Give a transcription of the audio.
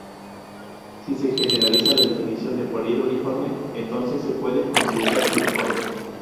Si se generaliza la definición de poliedro uniforme, entonces se pueden considerar uniformes.